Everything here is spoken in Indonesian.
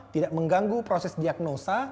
tidak mengganggu proses diagnosa